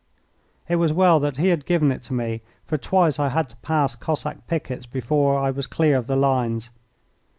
It was well that he had given it to me, for twice I had to pass Cossack pickets before I was clear of the lines.